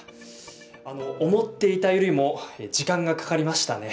思っていたよりも時間がかかりましたね。